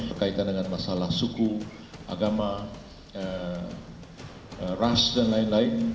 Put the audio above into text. berkaitan dengan masalah suku agama ras dan lain lain